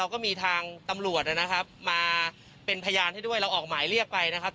ลองไปฟังเสียงวันยากาศช่วงนี้กันค่ะ